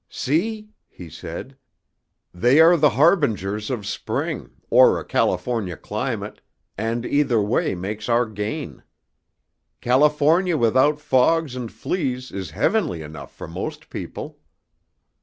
"See," he said, "they are the harbingers of spring, or a California climate, and either way makes our gain. California without fogs and fleas is heavenly enough for most people."